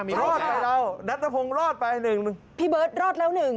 รอดแล้วณทบงรอดไปหนึ่งพี่เบิร์ดรอดแล้วหนึ่ง